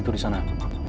aku suka banget